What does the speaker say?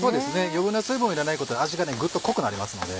余分な水分を入れないことで味がグッと濃くなりますので。